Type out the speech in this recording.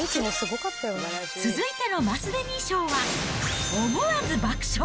続いてのマスデミー賞は、思わず爆笑！